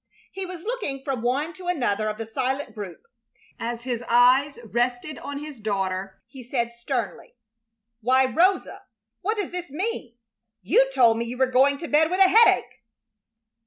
He was looking from one to another of the silent group, and as his eyes rested on his daughter he said, sternly: "Why, Rosa, what does this mean? You told me you were going to bed with a headache!"